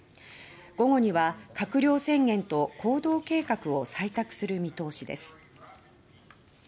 午後には閣僚宣言と行動計画を採択する見通しです。